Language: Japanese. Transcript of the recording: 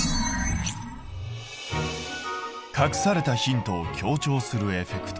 隠されたヒントを強調するエフェクト。